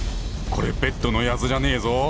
これベッドのやつじゃねえぞ！